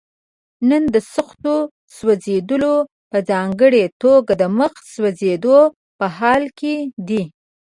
نن د سختو سوځېدلو په ځانګړي توګه د مخ سوځېدو په حال کې دي.